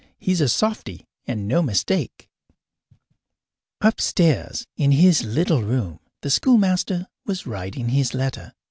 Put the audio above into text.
He's a softy, and no mistake." Upstairs in his little room, the schoolmaster was writing his letter.